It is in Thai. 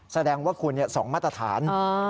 แสดงว่าคุณ๒มาตรฐาน